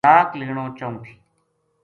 طلاق لینو چاہوں تھی